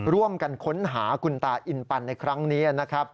ร่วมกันค้นหาคุณตาอิ่มปันในครั้งนี้